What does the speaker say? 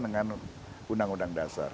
dengan undang undang dasar